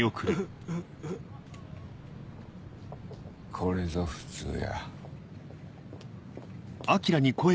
これぞ普通や。